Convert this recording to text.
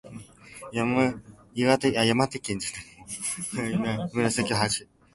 岩手県紫波町